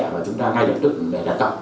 và chúng ta ngay lập tức đặt cặp